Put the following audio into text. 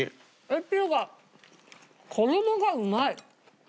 っていうか衣がうまい。